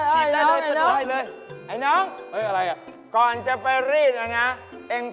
เฮ่ยไอ้น้อง